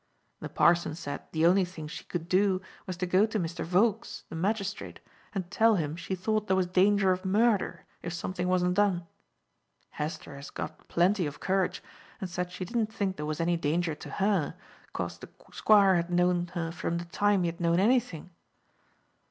The parson said the only thing she could do was to go to Mr. Volkes, the magistrate, and tell him she thought there was danger of murder if something wasn't done. Hester has got plenty of courage, and said she didn't think there was any danger to her, 'cause the Squire had known her from the time he had known anything."